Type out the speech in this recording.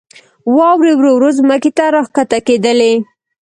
واورې ورو ورو ځمکې ته راکښته کېدلې.